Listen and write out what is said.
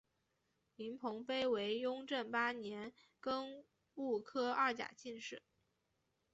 林鹏飞为雍正八年庚戌科二甲进士。